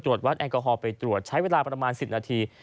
วัดแอลกอฮอลไปตรวจใช้เวลาประมาณ๑๐นาที